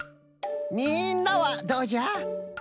みんなはどうじゃ？